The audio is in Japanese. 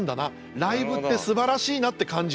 ライブってすばらしいな」って感じる。